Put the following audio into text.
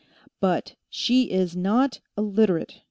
"But she is not a Literate!"